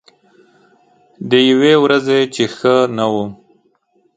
د یوې ورځې چې ښه نه وم